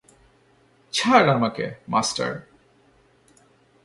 ছাড় আমাকে, মাস্টার!